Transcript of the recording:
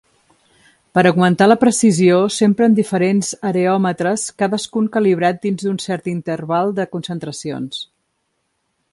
Per augmentar la precisió s'empren diferents areòmetres cadascun calibrat dins d'un cert interval de concentracions.